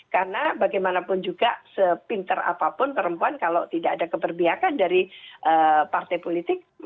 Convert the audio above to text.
karena bagaimanapun juga sepinter apapun perempuan kalau tidak ada keberpihakan dari partai politik